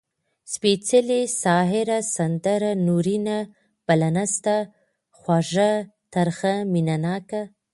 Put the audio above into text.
سپېڅلې ، سايره ، سندره، نورينه . بله نسته، خوږَه، ترخه . مينه ناکه